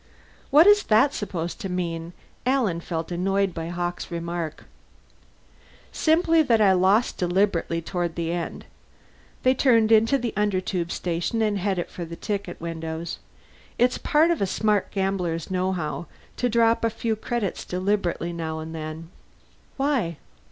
"What is that supposed to mean?" Alan felt annoyed by Hawkes' remark. "Simply that I lost deliberately toward the end." They turned into the Undertube station and headed for the ticket windows. "It's part of a smart gambler's knowhow to drop a few credits deliberately now and then." "Why?"